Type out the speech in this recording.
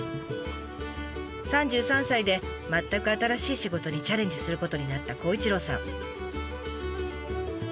３３歳で全く新しい仕事にチャレンジすることになった孝一郎さん。